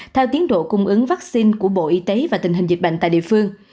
theo tiến độ cung ứng vaccine của bộ y tế và tình hình dịch bệnh tại địa phương